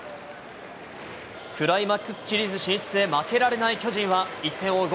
クライマックスシリーズ進出へ負けられない巨人は、１点を追う